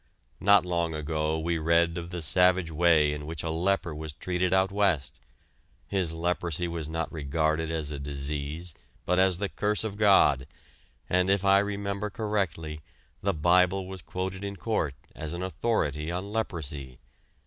Not long ago we read of the savage way in which a leper was treated out West; his leprosy was not regarded as a disease, but as the curse of God, and, if I remember correctly, the Bible was quoted in court as an authority on leprosy.